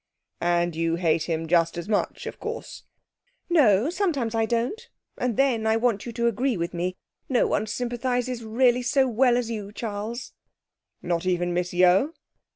'And you hate him just as much, of course?' 'No, sometimes I don't. And then I want you to agree with me. No one sympathises really so well as you, Charles.' 'Not even Miss Yeo?'